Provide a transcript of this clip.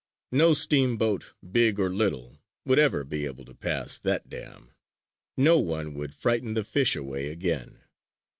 No steamboat, big or little, would ever be able to pass that dam! No one would frighten the fish away again!